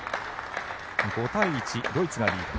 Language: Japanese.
５対１、ドイツがリード。